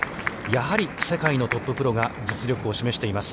やはり世界のトッププロが実力を示しています。